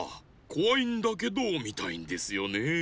こわいんだけどみたいんですよねえ。